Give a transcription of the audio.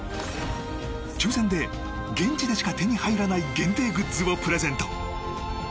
抽選で現地でしか手に入らない限定グッズをプレゼント。